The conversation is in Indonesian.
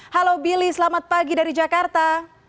halo billy selamat pagi dari jakarta